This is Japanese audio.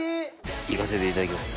いかせていただきます。